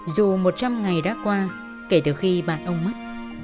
dù một trăm linh ngày đã qua kể từ khi bạn ông mất